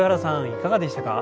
いかがでしたか？